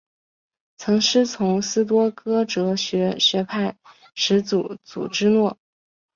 曾师从斯多噶哲学学派始祖芝诺。